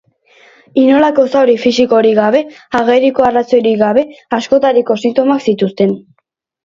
Inolako zauri fisikorik gabe, ageriko arrazoirik gabe, askotariko sintomak zituzten.